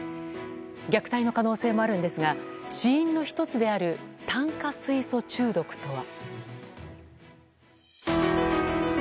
虐待の可能性もあるんですが死因の１つである炭化水素中毒とは？